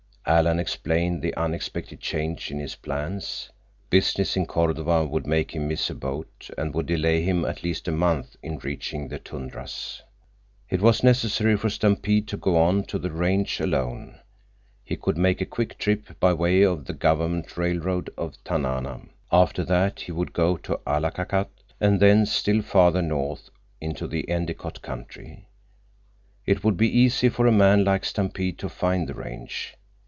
Alan explained the unexpected change in his plans. Business in Cordova would make him miss a boat and would delay him at least a month in reaching the tundras. It was necessary for Stampede to go on to the range alone. He could make a quick trip by way of the Government railroad to Tanana. After that he would go to Allakakat, and thence still farther north into the Endicott country. It would be easy for a man like Stampede to find the range.